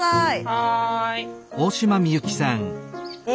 はい。